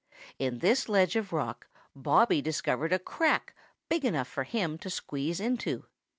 In this ledge of rock Bobby discovered a crack big enough for him to squeeze into.